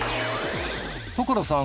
所さん